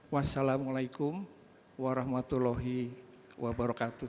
wassalamu'alaikum warahmatullahi wabarakatuh